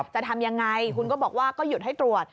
จะทำยังไงคุณก็บอกว่าก็หยุดให้ตรวจ